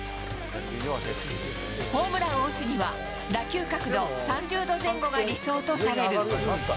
ホームランを打つには、打球角度３０度前後が理想とされる。